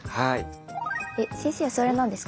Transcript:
先生はそれは何ですか？